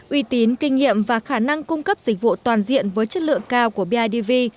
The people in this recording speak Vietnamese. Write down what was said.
uy tín kinh nghiệm và khả năng cung cấp dịch vụ toàn diện với chất lượng cao của bidv